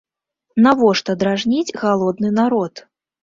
Навошта дражніць галодны народ?